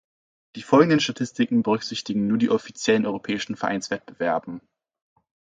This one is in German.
Die folgenden Statistiken berücksichtigen nur die offiziellen europäischen Vereinswettbewerben.